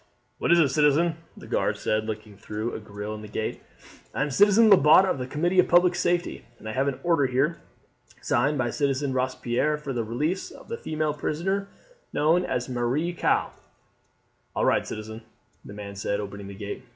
"What is it, citizen?" the guard said looking through a grille in the gate. "I am Citizen Lebat of the Committee of Public Safety, and I have an order here, signed by Citizen Robespierre, for the release of the female prisoner known as Marie Caux." "All right, citizen!" the man said, opening the gate.